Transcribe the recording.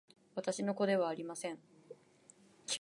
私の子ではありません